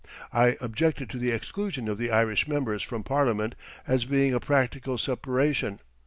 I objected to the exclusion of the Irish members from Parliament as being a practical separation.